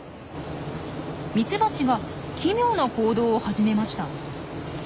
ミツバチが奇妙な行動を始めました。